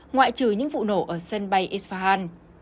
ngoại trừ những vụ nổ ở sân bay isfahan